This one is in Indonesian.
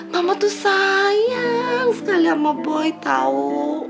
mama tuh sayang sekali sama boy tau